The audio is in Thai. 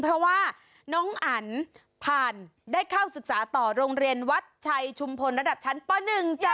เพราะว่าน้องอันผ่านได้เข้าศึกษาต่อโรงเรียนวัดชัยชุมพลระดับชั้นป๑จ้ะ